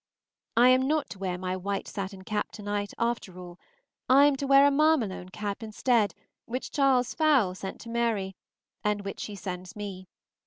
I am not to wear my white satin cap to night, after all; I am to wear a mamalone cap instead, which Charles Fowle sent to Mary, and which she lends me.